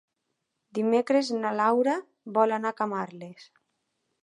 Dimecres na Laura vol anar a Camarles.